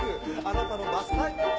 あなたのバスタイム